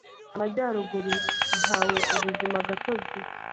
Amajyaruguru ihawe Ubuzimagatozi